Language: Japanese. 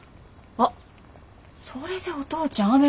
あっそれでお父ちゃん